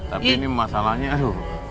tapi ini masalahnya aduh